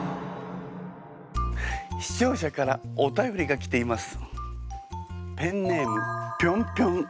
視聴者からお便りが来ています。